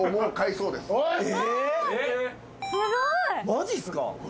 マジっすか？